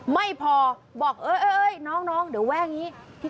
ไม่พอบอกเฮ้โอวเฮ่ยเฮ้ยน้องแห้งนี้